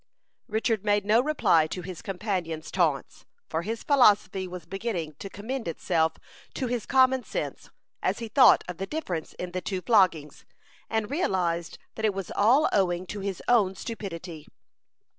Richard made no reply to his companion's taunts, for his philosophy was beginning to commend itself to his common sense, as he thought of the difference in the two floggings, and realized that it was all owing to his own stupidity.